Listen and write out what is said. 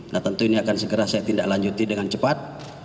nah tentu ini akan segera saya tindak lanjuti dengan cepat